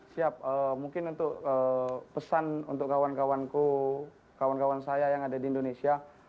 siap mungkin untuk pesan untuk kawan kawanku kawan kawan saya yang ada di indonesia